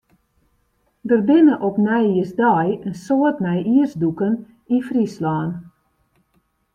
Der binne op nijjiersdei in soad nijjiersdûken yn Fryslân.